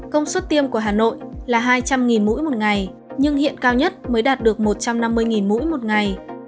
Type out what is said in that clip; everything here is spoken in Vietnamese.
công suất tiêm của hà nội là hai trăm linh mũi một ngày nhưng hiện cao nhất mới đạt được một trăm năm mươi mũi một ngày